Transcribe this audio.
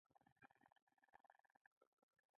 پانګوال د کمونېست ګوند ملاتړ لري له امنیت څخه برخمن دي.